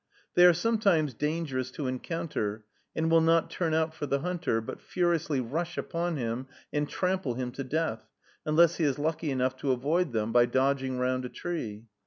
They are sometimes dangerous to encounter, and will not turn out for the hunter, but furiously rush upon him and trample him to death, unless he is lucky enough to avoid them by dodging round a tree.